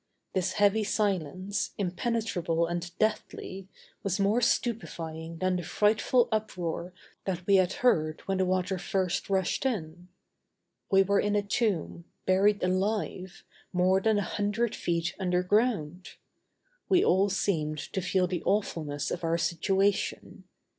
This heavy silence, impenetrable and deathly, was more stupefying than the frightful uproar that we had heard when the water first rushed in. We were in a tomb, buried alive, more than a hundred feet under ground. We all seemed to feel the awfulness of our situation.